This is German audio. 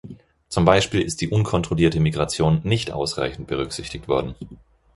Zum Beispiel ist die unkontrollierte Migration nicht ausreichend berücksichtigt worden.